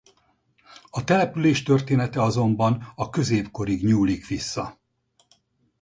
A település története azonban a középkorig nyúlik vissza.